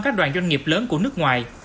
các đoàn doanh nghiệp lớn của nước ngoài